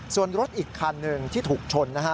ส่วนรถอีกคันหนึ่งที่ถูกชนนะฮะ